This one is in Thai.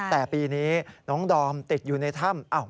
แต่ปีนี้น้องดอมติดอยู่ในถ้ำ